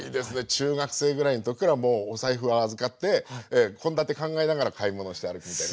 中学生ぐらいの時からもうお財布は預かって献立考えながら買い物して歩くみたいな。